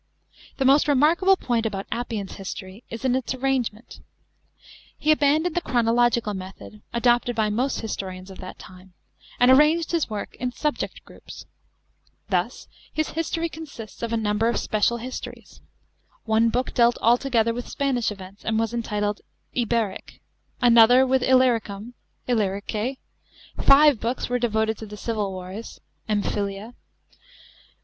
The most remarkable point about Appian's history is its arrangement He abandoned the chronological method, adopted by most his torians of that time, and arranged his work in subject groups. Thus his history consists of a number of special histories. One Book dealt altogether with Spanish events, and was entitled Iberik \ another with lllyricum (Illyrike)\ five books were devoted to the civil wars (Emphytia).